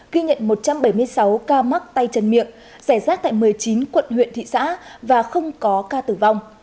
ghi nhận một trăm bảy mươi sáu ca mắc tay chân miệng rẻ rác tại một mươi chín quận huyện thị xã và không có ca tử vong